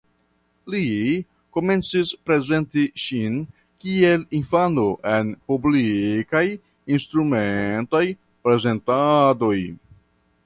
Li komencis prezenti ŝin kiel infano en publikaj instrumentaj prezentadoj.